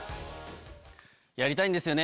やりたいんですよね。